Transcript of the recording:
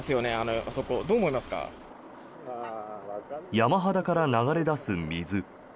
山肌から流れ出す水。